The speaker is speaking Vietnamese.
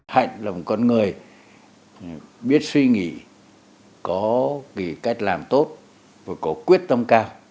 hạnh là một con người biết suy nghĩ có cái cách làm tốt và có quyết tâm cao